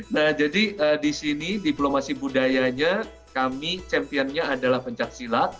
nah jadi di sini diplomasi budayanya kami championnya adalah pencaksilat